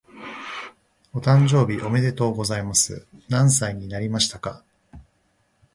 お誕生日おめでとうございます。何歳になりましたか？